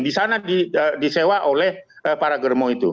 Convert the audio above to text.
di sana di sewa oleh para germo itu